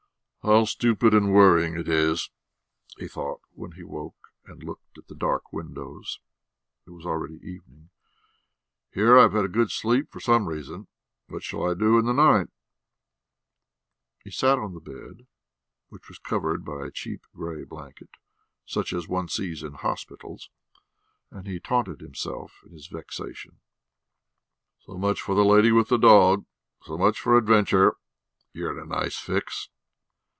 "How stupid and worrying it is!" he thought when he woke and looked at the dark windows: it was already evening. "Here I've had a good sleep for some reason. What shall I do in the night?" He sat on the bed, which was covered by a cheap grey blanket, such as one sees in hospitals, and he taunted himself in his vexation: "So much for the lady with the dog ... so much for the adventure.... You're in a nice fix...."